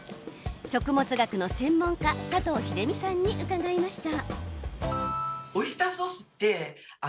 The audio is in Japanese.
食物学の専門家、佐藤秀美さんに伺いました。